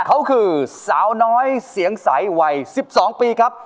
เขาคือสาวน้อยเสียงใสวัย๑๒ปีครับ